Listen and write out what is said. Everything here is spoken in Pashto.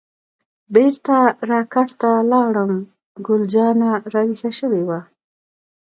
بیرته را کټ ته لاړم، ګل جانه راویښه شوې وه.